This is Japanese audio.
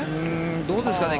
どうですかね？